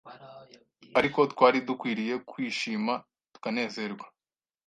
Ariko twari dukwiriye kwishima tukanezerwa